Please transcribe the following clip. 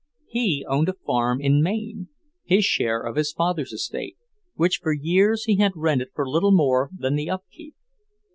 He owned a farm in Maine, his share of his father's estate, which for years he had rented for little more than the up keep.